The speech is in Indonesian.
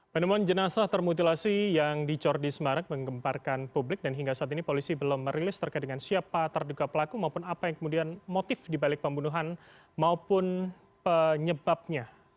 penemuan jenazah termutilasi yang dicor di semarang mengemparkan publik dan hingga saat ini polisi belum merilis terkait dengan siapa terduga pelaku maupun apa yang kemudian motif dibalik pembunuhan maupun penyebabnya